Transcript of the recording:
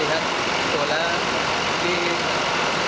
di gerg delta sidoarjo